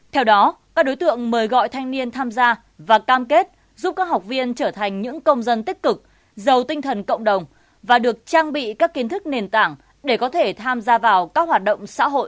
theo đó các đối tượng mời gọi thanh niên tham gia và cam kết giúp các học viên trở thành những công dân tích cực giàu tinh thần cộng đồng và được trang bị các kiến thức nền tảng để có thể tham gia vào các hoạt động xã hội